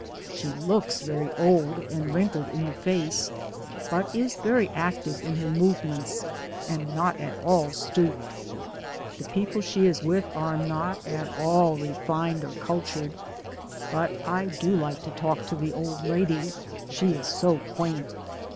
She looks very old and wrinkled in the face, but is very active in her movements, and not at all stooped. The people she is with are not at all refined or cultured, but I do like to talk to the old lady, she is so quaint.